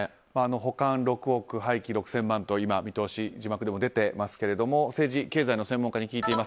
保管６億、廃棄６０００万と見通し、字幕でも出てますけども政治・経済の専門家に聞いています。